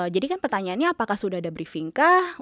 jadi kan pertanyaannya apakah sudah ada briefing kah